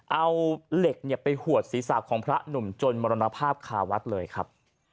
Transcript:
เอาเหล็กไปหวดศีรษะของพระหนุ่มจนมรณภาพคาวัดเลยครับ